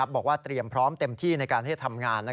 บอกว่าเตรียมพร้อมเต็มที่ในการที่จะทำงาน